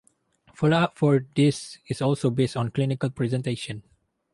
Follow-up for this is also based on clinical presentation.